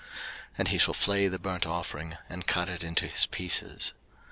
03:001:006 And he shall flay the burnt offering, and cut it into his pieces.